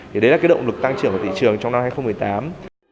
thì đấy là cái động lực tăng trưởng của thị trường trong năm hai nghìn một mươi tám